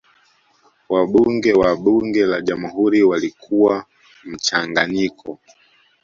wabunge wa bunge la jamhuri walikuwa mchanganyiko